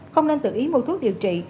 không nên tự ý mua thuốc điều trị